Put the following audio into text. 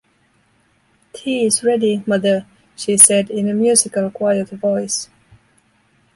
“Tea is ready, mother,” she said in a musical, quiet voice.